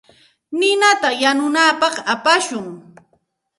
Ninata yanunapaq apashun.